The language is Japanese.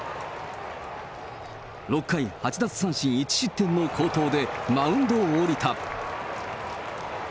６回８奪三振１失点の好投で、マウンドを降りた。